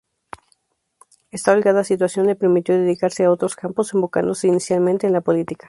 Esta holgada situación le permitió dedicarse a otros campos, enfocándose inicialmente en la política.